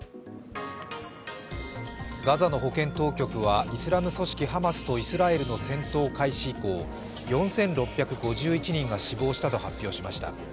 ガザの保健当局はイスラム組織ハマスとイスラエルの戦闘開始以降、４６５１人が死亡したと発表しました。